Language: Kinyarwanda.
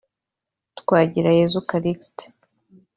Twagirayezu Callixte